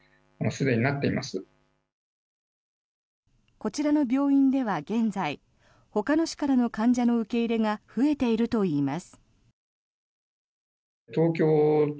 こちらの病院では現在ほかの市からの患者の受け入れが増えているといいます。